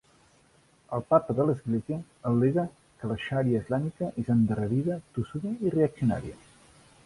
El Papa de l'Església al·lega que la Sharia islàmica és endarrerida, tossuda i reaccionària.